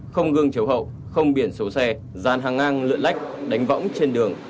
không gương chiếu hậu không biển số xe dàn hàng ngang lựa lách đánh võng trên đường